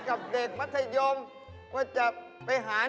ก็บอกว่า